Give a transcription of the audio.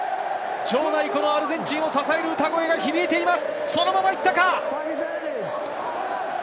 場内はアルゼンチンを支える歌声が響いています。